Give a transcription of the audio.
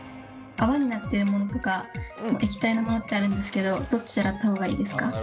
泡になってるものとか液体のものってあるんですけどどっちで洗った方がいいですか？